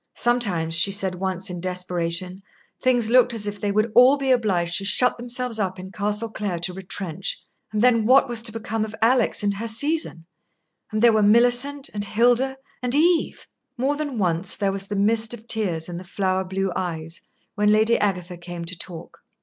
Sometimes, she said once in desperation, things looked as if they would all be obliged to shut themselves up in Castle Clare to retrench; and then what was to become of Alix and her season? And there were Millicent and Hilda and Eve. More than once there was the mist of tears in the flower blue eyes when Lady Agatha came to talk.